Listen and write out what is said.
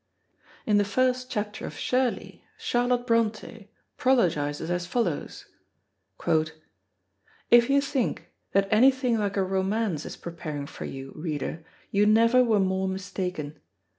In the first chapter of Shirley, Charlotte Brontë prologises as follows: "If you think ... that anything like a romance is preparing for you, reader, you never were more mistaken....